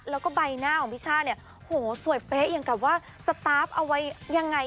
แล้วก็ใบหน้าของพี่ช่าเนี่ยโหสวยเป๊ะอย่างกับว่าสตาร์ฟเอาไว้ยังไง